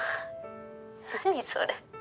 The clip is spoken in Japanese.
何それ。